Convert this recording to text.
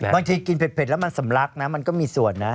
บางทีกินเผ็ดแล้วมันสำลักนะมันก็มีส่วนนะ